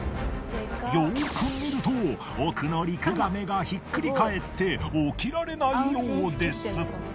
よく見ると奥の陸ガメがひっくり返って起きられないようです。